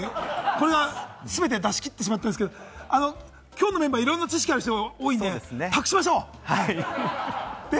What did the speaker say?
これは全て出し切ってしまったんですけれども、きょうのメンバー、いろんな知識ある人多いんで、託しましょう。